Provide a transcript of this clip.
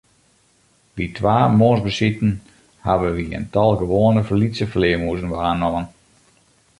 By twa moarnsbesiten hawwe wy in tal gewoane lytse flearmûzen waarnommen.